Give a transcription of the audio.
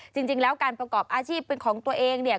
จริงแล้วการประกอบอาชีพเป็นของตัวเองเนี่ย